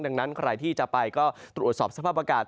ดังนั้นใครที่จะไปก็ตรวจสอบสภาพอากาศ